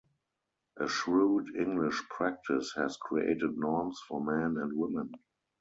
A shrewd English practice has created norms for men and women.